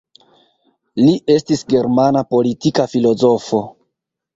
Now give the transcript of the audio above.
Li estis germana politika filozofo.